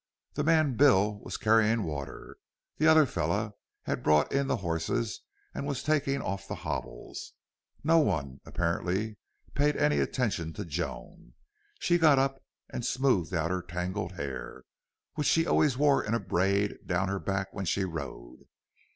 The man Bill was carrying water. The other fellow had brought in the horses and was taking off the hobbles. No one, apparently, paid any attention to Joan. She got up and smoothed out her tangled hair, which she always wore in a braid down her back when she rode.